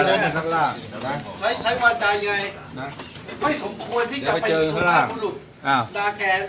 ดาแกแล้ว